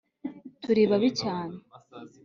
Turi babi cyane.